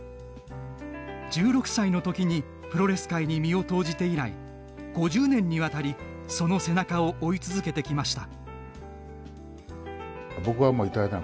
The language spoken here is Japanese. １６歳のときにプロレス界に身を投じて以来５０年にわたりその背中を追い続けてきました。